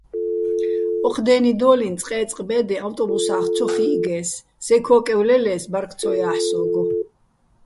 ოჴ დე́ნიდო́ლიჼ წყე́წყ ბე́დეჼ ავტობუსახ ცო ხიჸგეს, სეჲ ქოკევ ლელე́ს ბარგ ცო ჲაჰ̦ე̆ სოგო̆.